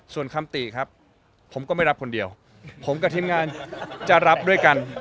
ส่วนคำติครับผมก็ไม่รับคนเดียวผมกับทีมงานจะรับด้วยกัน